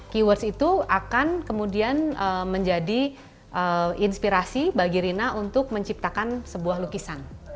keywords itu akan kemudian menjadi inspirasi bagi rina untuk menciptakan sebuah lukisan